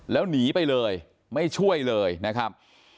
แล้วหนีไปเลยไม่ช่วยเลยนะครับ